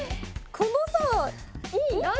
このさ「い」何？